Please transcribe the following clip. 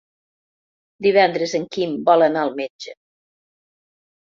Divendres en Quim vol anar al metge.